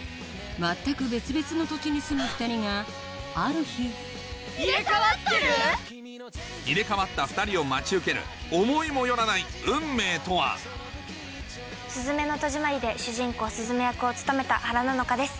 全く別々の土地に住む２人がある日入れ替わっとる⁉入れ替わってる⁉入れ替わった２人を待ち受ける思いも寄らない運命とは『すずめの戸締まり』で主人公すずめ役を務めた原菜乃華です。